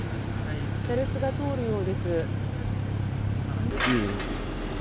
車列が通るようです。